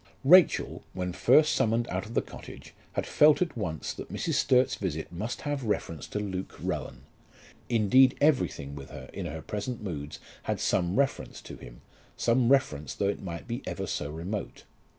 Rachel, when first summoned out of the cottage, had felt at once that Mrs. Sturt's visit must have reference to Luke Rowan. Indeed everything with her in her present moods had some reference to him, some reference though it might be ever so remote.